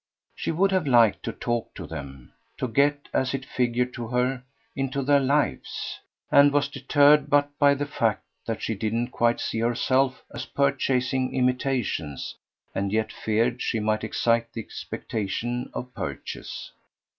She would have liked to talk to them, to get, as it figured to her, into their lives, and was deterred but by the fact that she didn't quite see herself as purchasing imitations and yet feared she might excite the expectation of purchase.